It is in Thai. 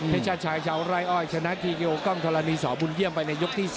ชาติชายชาวไร่อ้อยชนะทีเดียวกล้องธรณีสอบุญเยี่ยมไปในยกที่๓